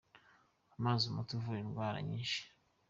Amazi, umuti uvura indwara nyinshi